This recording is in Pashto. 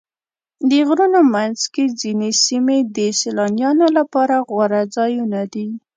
د غرونو منځ کې ځینې سیمې د سیلانیانو لپاره غوره ځایونه دي.